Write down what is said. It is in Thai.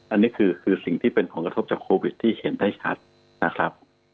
อันนี้คือสิ่งที่เป็นผลกระทบจากโควิดที่เห็นได้ชัดนะครับ